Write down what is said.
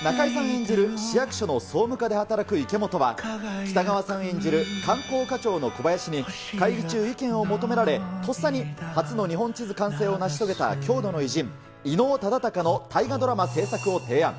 演じる市役所の総務課で働く池本は、北川さん演じる観光課長の小林に、会議中、意見を求められ、とっさに初の日本地図完成を成し遂げた郷土の偉人、伊能忠敬の大河ドラマ制作を提案。